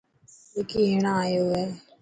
وڪي هيڻان آيو هي.